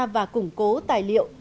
và củng cố tài liệu